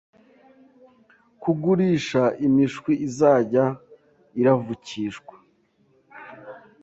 kugurisha imishwi izajya iravukishwa